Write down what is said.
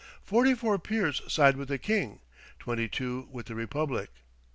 Forty four peers side with the King, twenty two with the Republic.